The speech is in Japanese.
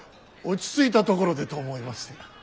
落ち着いたところでと思いまして。